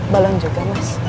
balon juga mas